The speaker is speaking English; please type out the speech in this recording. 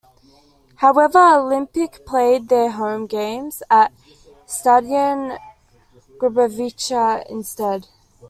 However, Olimpik played their home games at Stadion Grbavica instead.